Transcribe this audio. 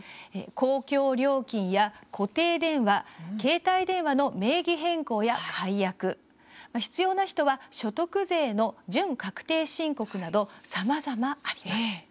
公共料金や固定電話、携帯電話の名義変更や解約、必要な人は所得税の準確定申告などさまざま、あります。